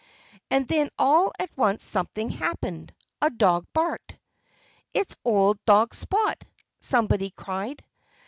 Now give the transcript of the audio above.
And then all at once something happened. A dog barked. "It's old dog Spot!" somebody cried.